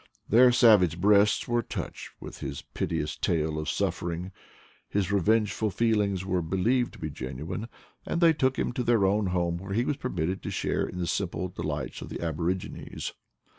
Their savage breasts were touched with his pite ous tale of sufferings; his revengeful feelings were believed to be genuine, and they took him to their own home, where he was permitted to share in the simple delights of the aborigines.